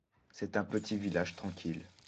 C'est un petit village tranquille.